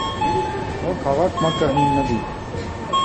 Նոր քաղաք մը կը հիմնուի։